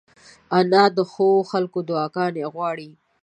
انا د ښو خلکو دعاګانې غواړي